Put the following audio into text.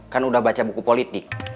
kan udah baca buku politik